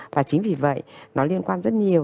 và chính vì vậy nó liên quan rất nhiều